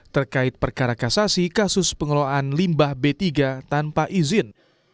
terkait perkara kasasi kasus pengelolaan limbah b tiga tanpa izin